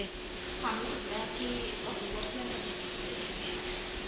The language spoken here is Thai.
ความรู้สึกแรกที่ตอนนี้ว่าเพื่อนจะมีผิดเสียชีวิตไหม